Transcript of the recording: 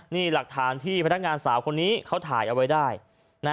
นี่หลักฐานที่พนักงานสาวคนนี้เขาถ่ายเอาไว้ได้นะ